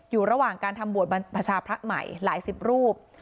อยู่ระหว่างการทำบวชบรรพชาพระใหม่หลายสิบรูป